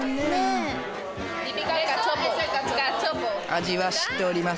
味は知っております。